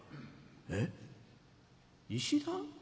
「えっ石段？